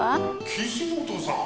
岸本さん！